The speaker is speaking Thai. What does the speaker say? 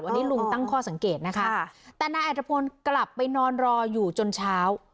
อันนี้ลุงตั้งข้อสังเกตนะคะแต่นายอัตภพลกลับไปนอนรออยู่จนเช้า